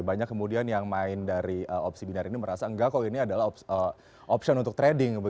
banyak kemudian yang main dari opsi binar ini merasa enggak kok ini adalah option untuk trading